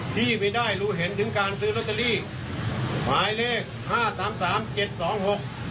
พี่ไม่ได้รู้เห็นถึงการซื้อลอตเตอรี่หมายเลขห้าสามสามเจ็ดสองหก